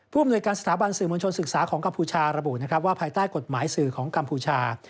อำนวยการสถาบันสื่อมวลชนศึกษาของกัมพูชาระบุนะครับว่าภายใต้กฎหมายสื่อของกัมพูชา